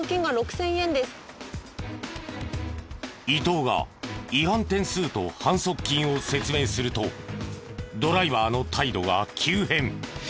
伊東が違反点数と反則金を説明するとドライバーの態度が急変。